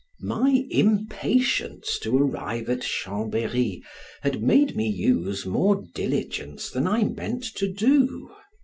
My impatience to arrive at Chambery had made me use more diligence than I meant to do.